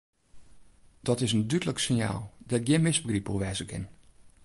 Dat is in dúdlik sinjaal dêr't gjin misbegryp oer wêze kin.